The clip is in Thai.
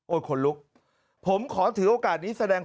โอ้โกรธผมขอถือโอกาสนี้แสดง